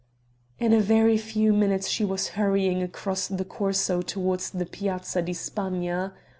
In a very few minutes she was hurrying across the Corso towards the Piazza di Spagna.